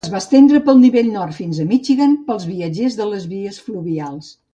Es va estendre pel nivell nord fins a Michigan pels viatgers de les vies fluvials.